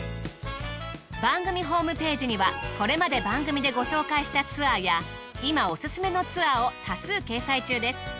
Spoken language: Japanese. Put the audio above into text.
番組ホームページにはこれまで番組でご紹介したツアーや今オススメのツアーを多数掲載中です。